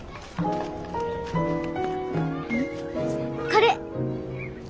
これ。